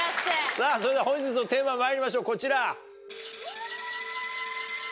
さぁそれでは本日のテーマまいりましょうこちら。